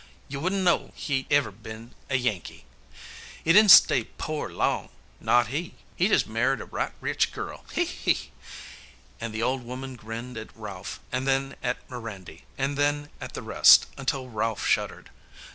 You would n know he'd ever been a Yankee. He didn't stay poar long. Not he. He jest married a right rich girl! He! he!" And the old woman grinned at Ralph, and then at Mirandy, and then at the rest, until Ralph shuddered.